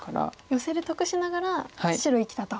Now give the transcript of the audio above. ヨセで得しながら白生きたと。